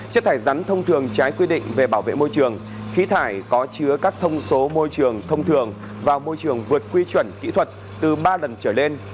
chất thải rắn thông thường trái quy định về bảo vệ môi trường khí thải có chứa các thông số môi trường thông thường và môi trường vượt quy chuẩn kỹ thuật từ ba lần trở lên